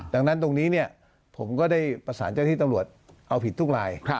ดังนั้นตรงนี้ผมก็ได้ประสานเจ้าที่ตำรวจเอาผิดทุกราย